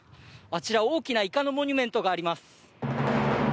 あちら、大きなイカのモニュメントがあります。